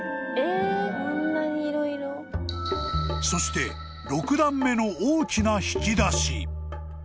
［そして６段目の大きな引き出し］